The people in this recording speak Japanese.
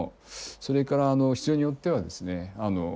それから必要によってはですね